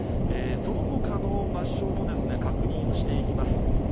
そのほかの場所の確認をしていきます。